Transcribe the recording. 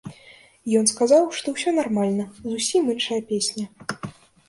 Ён сказаў, што ўсё нармальна, зусім іншая песня.